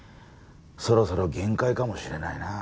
そろそろ限界かもしれないな。